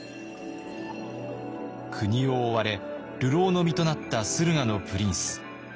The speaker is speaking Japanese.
国を追われ流浪の身となった駿河のプリンス。